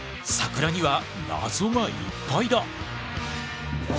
桜には謎がいっぱいだ。